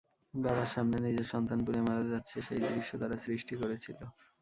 বাবার সামনে নিজের সন্তান পুড়ে মারা যাচ্ছে—সেই দৃশ্য তারা সৃষ্টি করেছিল।